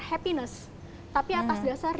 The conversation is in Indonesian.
happiness tapi atas dasar